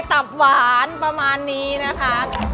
ตับหวานประมาณนี้นะคะ